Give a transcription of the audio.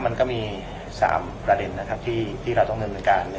มันก็มีสามประเด็นนะครับที่ที่เราต้องเรียนเป็นการ